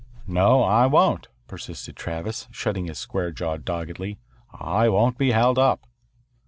"No, I won't," persisted Travis, shutting his square jaw doggedly. "I won't be held up."